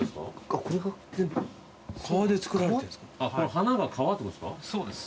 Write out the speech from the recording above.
花が革ってことですか？